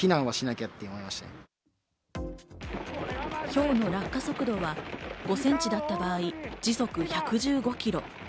今日の落下速度は５センチだった場合、時速１１５キロ。